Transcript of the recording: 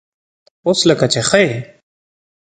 _اوس لکه چې ښه يې؟